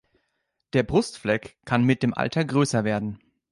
Der Brustfleck kann mit dem Alter größer werden.